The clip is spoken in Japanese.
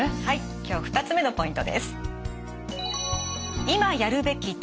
はい今日２つ目のポイントです。